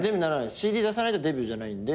ＣＤ出さないとデビューじゃないんで。